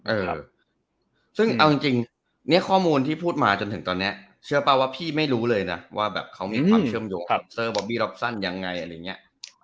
เออซึ่งเอาจริงเนี่ยข้อมูลที่พูดมาจนถึงตอนนี้เชื่อป่ะว่าพี่ไม่รู้เลยนะว่าแบบเขามีความเชื่อมโยงกับเซอร์บอบบี้รอบสั้นยังไงอะไรอย่างเงี้ย